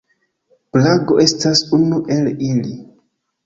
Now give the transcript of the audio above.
Prago estas unu el ili.